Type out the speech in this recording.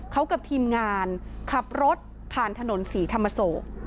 เขากับทีมงานขับรถผ่านถนนศรีธรรมโศก